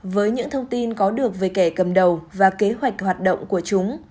với những thông tin có được về kẻ cầm đầu và kế hoạch hoạt động của chúng